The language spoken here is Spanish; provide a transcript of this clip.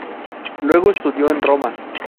Luego estudió en Roma.